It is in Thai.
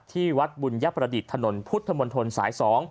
ที่วัดบุญยประดิษฐ์ถนนพุทธมนตรสาย๒